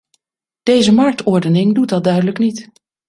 Deze marktordening doet dat duidelijk niet.